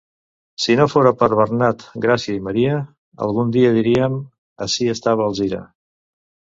Si no fora per Bernat, Gràcia i Maria, algun dia diríem: ací estava Alzira.